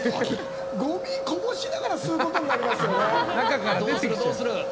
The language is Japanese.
ごみこぼしながら吸うことになりますよね。